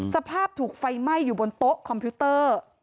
สภาพถูกไฟไหม้อยู่บนโต๊ะคอมพิวเตอร์